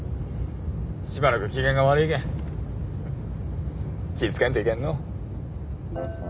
しばらく機嫌が悪いけん気ぃ付けんといけんの。